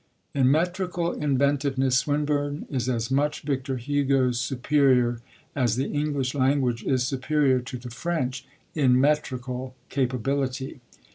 In metrical inventiveness Swinburne is as much Victor Hugo's superior as the English language is superior to the French in metrical capability.